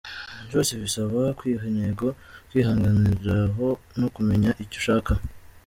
Byose bisaba kwiha intego, kwihagararaho no kumenya icyo ushaka.